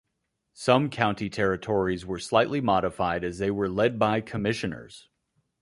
Some county territories were slightly modified and they were led by "commissioners".